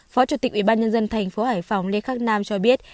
phó chủ tịch ubnd thành phố hải phòng lê khắc nam cho biết